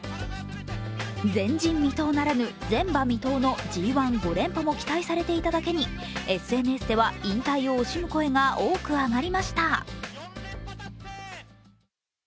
前人未到ならぬ前馬未到のＧⅠ５連覇も期待されていただけにＳＮＳでは引退を惜しむ声が多く上がりました。